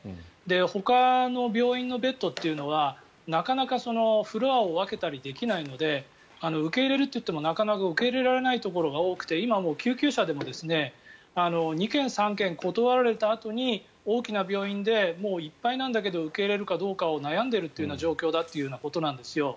ほかの病院のベッドっていうのはなかなかフロアを分けたりできないので受け入れるといってもなかなか受け入れられないところが多くて今、救急車でも２件、３件断られたあとに大きな病院でもういっぱいなんだけど受け入れるかどうかを悩んでいる状況だそうなんです。